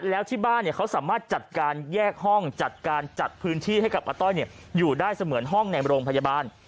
แล้วที่บ้านเขาสามารถจัดการแยกห้องจัดการจัดพื้นที่ให้กับอาต้อยอยู่ได้เสมือนห้องในโรงพยาบาล